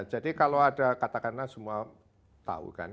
jadi kalau ada katakanlah semua tahu kan